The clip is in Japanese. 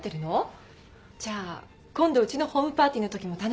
じゃあ今度ウチのホームパーティーのときも頼もうかしら。